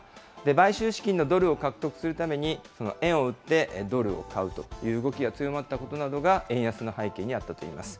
買収資金のドルを獲得するために、円を売ってドルを買うという動きが強まったことなどが、円安の背景にあったといえます。